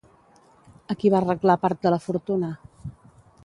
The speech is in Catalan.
A qui va reglar part de la fortuna?